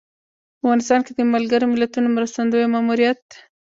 په افغانستان کې د ملګر ملتونو مرستندویه ماموریت